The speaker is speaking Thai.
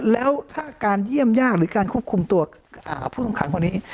แล้วถ้าการเยี่ยมยากหรือการควบคุมตัวผู้ต้องขังคนนี้